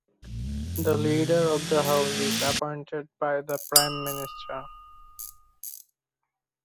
The leader of the house is appointed by the prime minister.